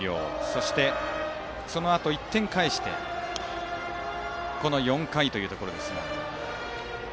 そして、そのあと１点返してこの４回というところです。